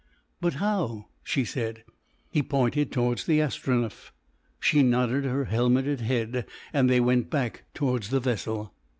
"But how?" she said. He pointed towards the Astronef. She nodded her helmeted head, and they went back towards the vessel.